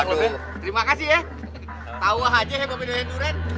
terima kasih ya tawa aja ya babi durian durian